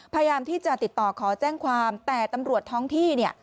พยายามที่จะติดต่อขอแจ้งความแต่ตำรวจท้องที่เนี่ย